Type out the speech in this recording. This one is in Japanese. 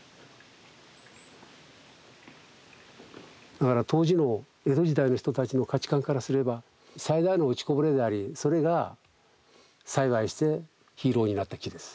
だから当時の江戸時代の人たちの価値観からすれば最大の落ちこぼれでありそれが幸いしてヒーローになった木です。